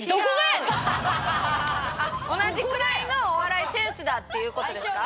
同じくらいのお笑いセンスだっていう事ですか？